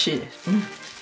うん。